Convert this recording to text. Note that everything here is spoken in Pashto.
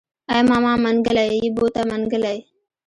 ای ماما منګلی يې بوته منګلی.